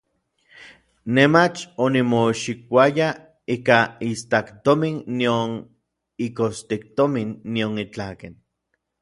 Nej mach onimoxikouaya ikaj iistaktomin nion ikostiktomin, nion itlaken.